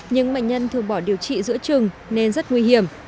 nhưng bệnh nhân thường bỏ điều trị giữa trừng nên rất nguy hiểm